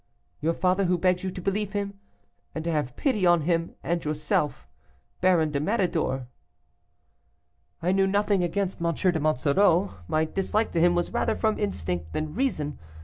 "'Your father, who begs you to believe him, and to have pity on him, and on yourself, "'BARON DE MÉRIDOR.' "I knew nothing against M. de Monsoreau; my dislike to him was rather from instinct than reason.